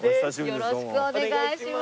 よろしくお願いします。